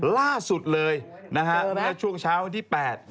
ล่าสุดเลยนะครับวันในช่วงเช้าที่๘